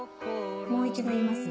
もう一度言います。